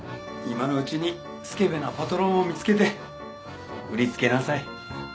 今のうちにスケベなパトロンを見つけて売りつけなさい